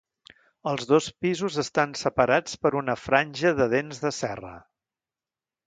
Els dos pisos estan separats per una franja de dents de serra.